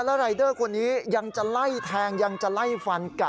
แล้วรายเดอร์คนนี้ยังจะไล่แทงยังจะไล่ฟันกะ